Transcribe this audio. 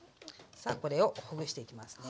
さあこれをほぐしていきますね。